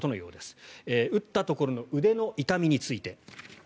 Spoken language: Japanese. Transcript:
打ったところの腕の痛みについて。